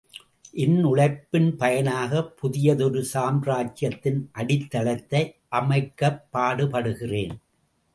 என் உழைப்பின் பயனாகப் புதியதொரு சாம்ராஜ்யத்தின் அடித்தளத்தை அமைக்கப் பாடுபடுகிறேன்.